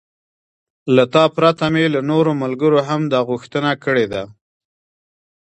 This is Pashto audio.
له تا پرته مې له نورو ملګرو هم دا غوښتنه کړې ده.